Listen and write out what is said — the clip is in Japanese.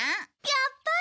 やっぱり！